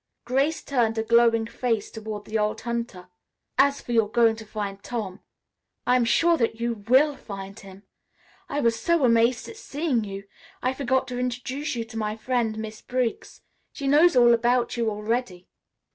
Grace turned a glowing face toward the old hunter. "As for your going to find Tom, I am sure that you will find him. I was so amazed at seeing you, I forgot to introduce you to my friend Miss Briggs. She knows all about you, already."